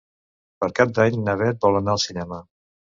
Per Cap d'Any na Bet vol anar al cinema.